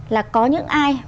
là có những ai